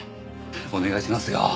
お願いしますよ。